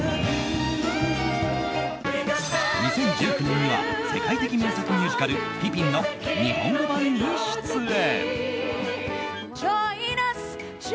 ２０１９年には世界的名作ミュージカル「ピピン」の日本語版に出演。